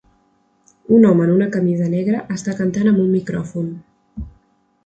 Un home en una camisa negre està cantant amb un micròfon